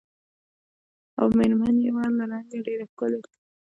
او مېر من یې وه له رنګه ډېره ښکلې